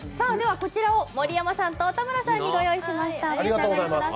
こちらを盛山さんと田村さんに御用意しました。